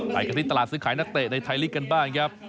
ไปกันที่ตลาดซื้อขายนักเตะในไทยลีกกันบ้างครับ